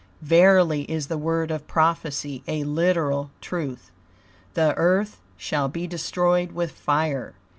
Verily is the word of prophecy a literal truth: "The Earth shall be destroyed with fire."